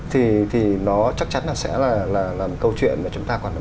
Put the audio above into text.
thì nó chắc chắn là sẽ là một câu chuyện mà chúng ta còn bàn nhiều